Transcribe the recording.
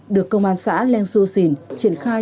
được công an xã leng su xìn triển khai